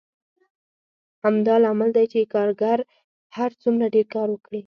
همدا لامل دی چې کارګر هر څومره ډېر کار وکړي